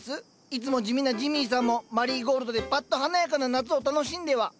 いつも地味なジミーさんもマリーゴールドでぱっと華やかな夏を楽しんでは？